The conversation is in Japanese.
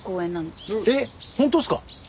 えっ本当ですか？